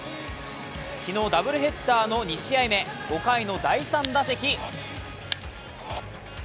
昨日ダブルヘッダーの２試合目、５回の第３打席。